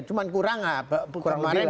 cuman kurang lah kurang lebih lah ya